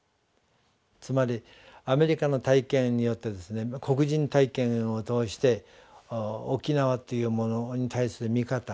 つまりアメリカの体験によって黒人体験を通して沖縄というものに対する見方